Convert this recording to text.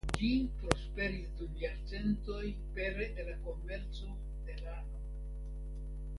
Ĝi prosperis dum jarcentoj pere de la komerco de lano.